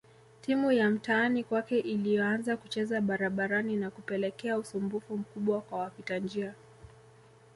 Timu ya mtaani kwake iliyoanzia kucheza barabarani na kupelekea usumbufu mkubwa kwa wapita njia